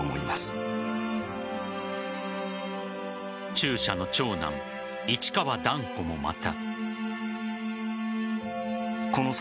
中車の長男・市川團子もまた。